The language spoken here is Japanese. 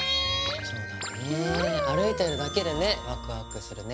そうだね歩いてるだけでねワクワクするね。